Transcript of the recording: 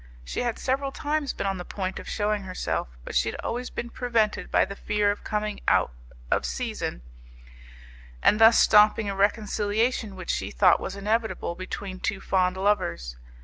She had several times been on the point of shewing herself, but she had always been prevented by the fear of coming out of season, and thus stopping a reconciliation which she thought was inevitable between two fond lovers.